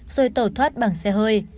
rồi tẩu thoát bằng xe hơi